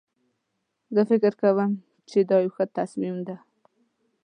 زه فکر کوم چې دا یو ښه تصمیم ده